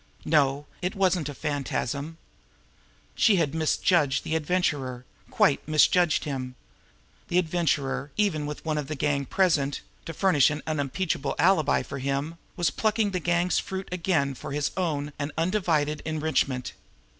No, it wasn't a phantasm! She had misjudged the Adventurer quite misjudged him! The Adventurer, even with one of the gang present to furnish an unimpeachable alibi for him! was plucking the gang's fruit again for his own and undivided enrichment!